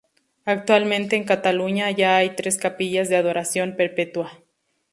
Actualmente en Cataluña ya hay tres Capillas de Adoración Perpetua.